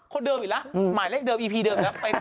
คนเดิมอีกแล้วหมายเลขเดิมอีพีเดิมแล้ว